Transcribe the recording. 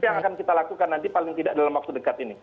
apa yang akan kita lakukan nanti paling tidak dalam waktu dekat ini